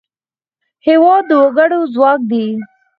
هېواد د وګړو ځواک دی.